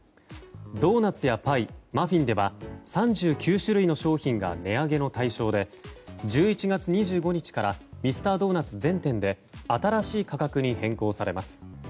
ドーナツやパイマフィンでは３９種類の商品が値上げの対象で１１月２５日からミスタードーナツ全店で新しい価格に変更されます。